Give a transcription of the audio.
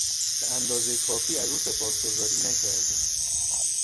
به اندازهی کافی از او سپاسگزاری نکردیم.